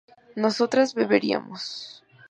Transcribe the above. nosotras beberíamos